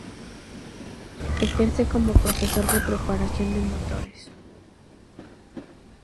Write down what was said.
Ejerce como profesor de preparación de motores.